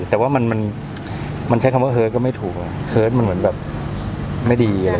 แต่ว่ามันใช้คำว่าเหิศก็ไม่ถูกเหิสก็ไม่ดี